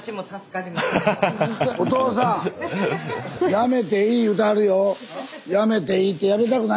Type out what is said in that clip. やめていい言うてはるよ。